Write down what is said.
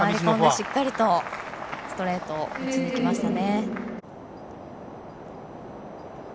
しっかりとストレートを打ちにきましたね。